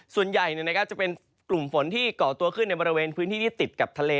ส่วนใหญ่จะเป็นกลุ่มฝนที่เกาะตัวขึ้นในบริเวณพื้นที่ที่ติดกับทะเล